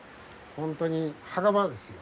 本当に墓場ですよ。